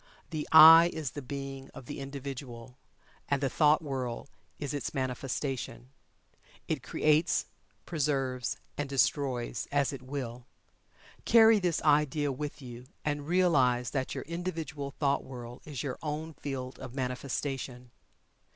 The "I" is the Being of the Individual, and the thought world is its manifestation. It creates, preserves, and destroys as it Will. Carry this idea with you, and realize that your individual thought world is your own field of manifestation.